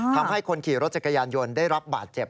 ทำให้คนขี่รถจักรยานยนต์ได้รับบาดเจ็บ